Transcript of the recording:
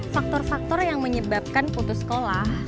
faktor faktor yang menyebabkan putus sekolah